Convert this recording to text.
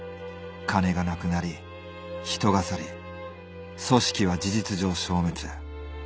金が無くなり人が去り組織は事実上消滅。